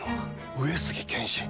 上杉謙信。